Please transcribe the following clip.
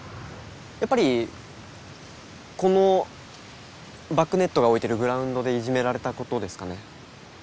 やっぱりこのバックネットが置いてるグラウンドでいじめられたことですかね。